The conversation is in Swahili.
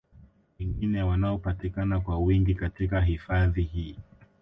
wengine wanaopatikana kwa wingi katika hifadhi hii